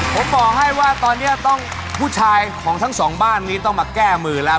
ผมบอกให้ว่าตอนนี้ต้องผู้ชายของทั้งสองบ้านนี้ต้องมาแก้มือแล้ว